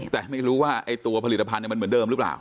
แต่ไม่รู้ว่าตัวผลิตภัณฑ์มันเหมือนเดิมหรือเปล่า